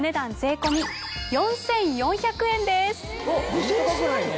５０００円しないの？